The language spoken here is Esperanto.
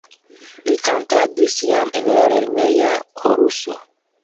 Li kantadis jam en la lerneja koruso.